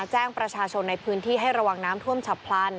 แจ้งประชาชนในพื้นที่ให้ระวังน้ำท่วมฉับพลัน